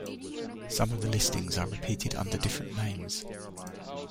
Some of the listings are repeated under different names.